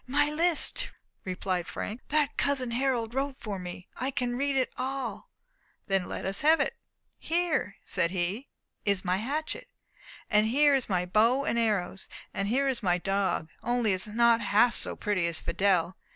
"My list," replied Frank, "that cousin Harold wrote for me. I can read it all!" "Then let us have it." [Illustration: pictures of items on the list] "Here," said he, "is my hatchet." "And here is my bow and arrows." "And here is my dog; only it is not half so pretty as Fidelle."